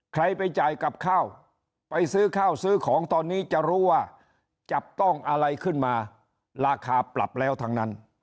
ใครไปจ่ายกับข้าวไปซื้อข้าวซื้อของตอนนี้จะรู้ว่าจับต้องอะไรขึ้นมาราคาปรับแล้วทั้งนั้น